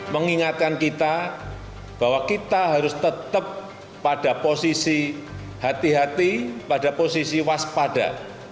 mengingatkan kita bahwa kita harus tetap pada posisi hati hati pada posisi waspada